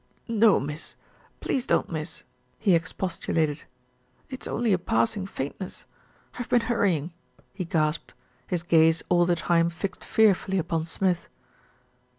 "No, miss; please don't, miss," he expostulated. "It's only a passing faintness, I've been hurrying," he gasped, his gaze all the time fixed fearfully upon Smith.